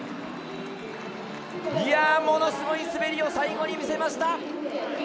ものすごい滑りを最後に見せました！